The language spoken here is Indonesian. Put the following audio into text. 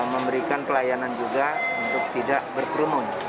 memberikan pelayanan juga untuk tidak berkerumun